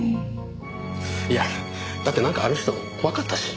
いやだってなんかあの人怖かったし。